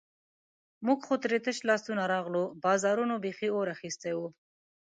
موږ خو ترې تش لاسونه راغلو، بازارونو بیخي اور اخیستی وو.